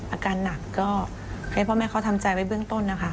อาการหนักก็ให้พ่อแม่เขาทำใจไว้เบื้องต้นนะคะ